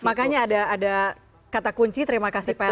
makanya ada kata kunci terima kasih pak